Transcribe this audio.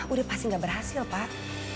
udah pasti gak berhasil pak